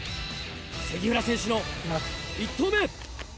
杉浦選手の１投目。